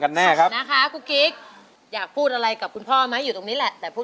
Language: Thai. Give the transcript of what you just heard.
มาถึงเพลงที่๒นะครับเพลงนี้มีมูลค่า๒๐๐๐๐บาท